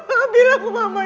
mama bilang mama ya allah